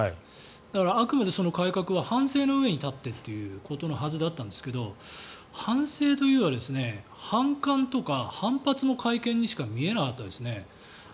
だから、あくまでその改革は反省の上に立ってというはずだったんですけど反省というよりは反感とか反発の会見にしか見えなかったですね。